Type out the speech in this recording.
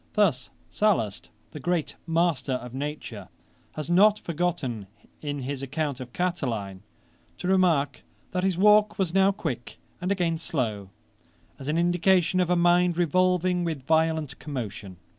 Thus Sallust, the great master of nature, has not forgot in his account of Catiline to remark, that his walk was now quick, and again slow, as an indication of a mind revolving with violent commotion.